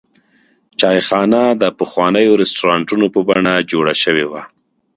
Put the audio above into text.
چایخانه د پخوانیو رسټورانټونو په بڼه جوړه شوې وه.